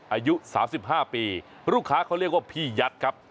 อายุ๓๕ปีลูกค้าเขาเรียกว่าพี่ยัดครับ